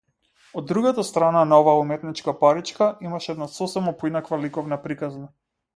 Од другата страна на оваа уметничка паричка, имаше една сосема поинаква ликовна приказна.